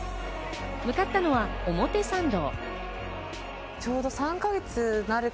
向かったのは表参道。